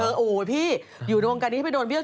คืออู๋พี่อยู่ในวงการนี้ให้ไปโดนเบี้ยว